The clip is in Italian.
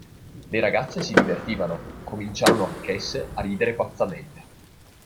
Le ragazze si divertivano; cominciarono anch'esse a ridere pazzamente.